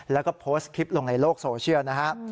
แล้วก็โพสต์คลิปลงในโลกโซเชียลนะฮะ